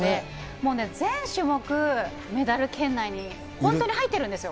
もうね、全種目メダル圏内に本当に入ってるんですよ。